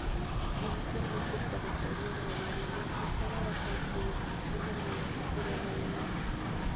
Inicialmente el territorio granadino estaba bajo la jurisdicción del municipio de Marinilla.